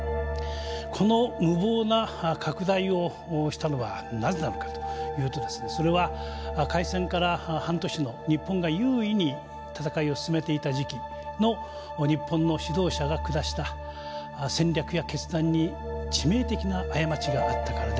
この無謀な拡大をしたのはなぜなのかというとそれは開戦から半年の日本が優位に戦いを進めていた時期の日本の指導者が下した戦略や決断に致命的な過ちがあったからであります。